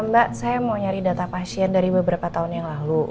mbak saya mau nyari data pasien dari beberapa tahun yang lalu